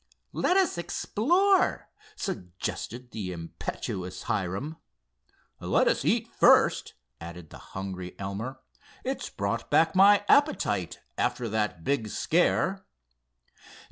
"Let us explore," suggested the impetuous Hiram. "Let us eat first," added the hungry Elmer. "It's brought back my appetite, after that big scare."